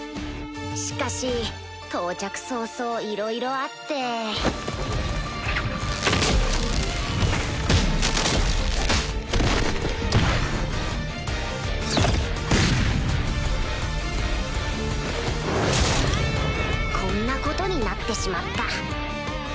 しかし到着早々いろいろあってこんなことになってしまった